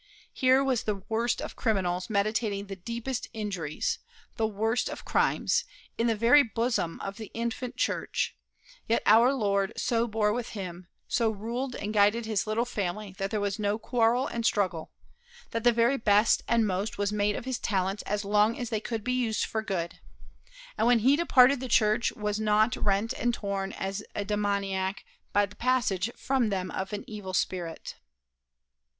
Here was the worst of criminals meditating the deepest injuries, the worst of crimes, in the very bosom of the infant church, yet our Lord so bore with him, so ruled and guided his little family that there was no quarrel and struggle, that the very best and most was made of his talents as long as they could be used for good, and when he departed the church was not rent and torn as a demoniac by the passage from them of an evil spirit.